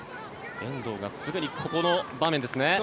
遠藤がすぐにここの場面ですね。